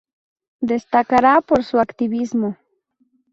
Destacará por su activismo.